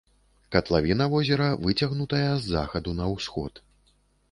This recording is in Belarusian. Катлавіна возера выцягнутая з захаду на ўсход.